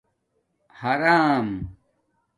حݳرَام